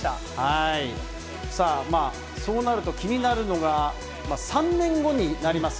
そうなると、気になるのが、３年後になります